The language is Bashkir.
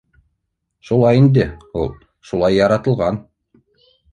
Шулай инде ул. Шулай яратылған.